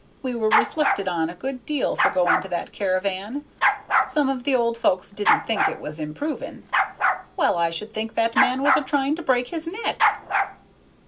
We were reflected on a good deal for going to that caravan; some of the old folks didn't think it was improvin' Well, I should think that man was a trying to break his neck!"